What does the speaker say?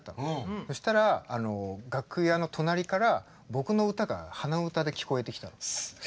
そしたら楽屋の隣から僕の歌が鼻歌で聞こえてきたの。